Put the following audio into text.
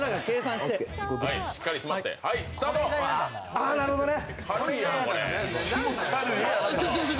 ああ、なるほどね。